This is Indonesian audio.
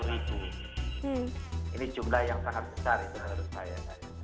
ini jumlah yang sangat besar itu menurut saya